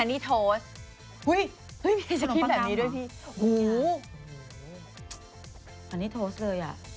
อันนี้โทสต์เลยอ่ะ